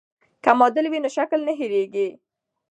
که ماډل وي نو شکل نه هېریږي.